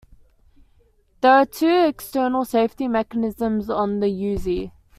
There are two external safety mechanisms on the Uzi.